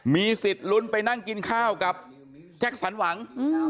มีสิทธิ์ลุ้นไปนั่งกินข้าวกับแจ็คสันหวัง